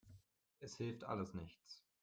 Es hilft alles nichts.